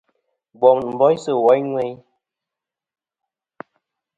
Bom nɨn boysɨ woyn ŋweyn.